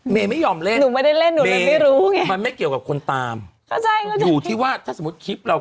เมย์ไม่ยอมเล่นเมย์มันไม่เกี่ยวกับคนตามอยู่ที่ว่าถ้าสมมุติคลิปเรา